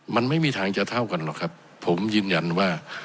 มันไม่มีทางจะเท่ากันหรอกครับผมยืนยันว่า